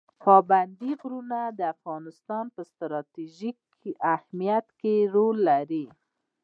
پابندي غرونه د افغانستان په ستراتیژیک اهمیت کې رول لري.